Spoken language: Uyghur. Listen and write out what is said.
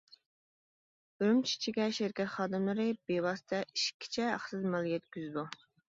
ئۈرۈمچى ئىچىگە شىركەت خادىملىرى بىۋاسىتە ئىشىككىچە ھەقسىز مال يەتكۈزىدۇ!